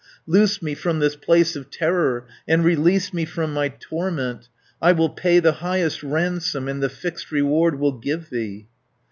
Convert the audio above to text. Loose me from this place of terror, And release me from my torment. 350 I will pay the highest ransom, And the fixed reward will give thee."